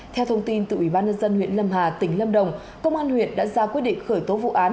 theo thông tin từ ủy ban nhân dân huyện lâm hà tỉnh lâm đồng công an huyện đã ra quyết định khởi tố vụ án